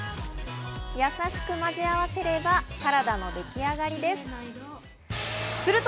優しく混ぜ合わせれば、サラダのでき上がりです。